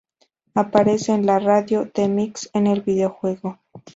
Aparece en la radio The Mix en el videojuego